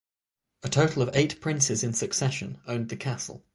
A total of eight princes in succession owned the castle.